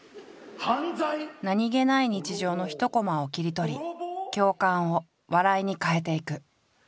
何気ない日常の一コマを切り取り共感を笑いに変えていく。